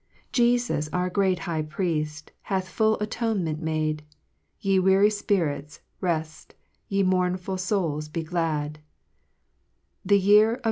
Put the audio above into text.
2 Jesus, our great High Pricft, Hath full atonement made ; Ye weary fpirits reft, Ye mournful fouls be glad : The year, &c.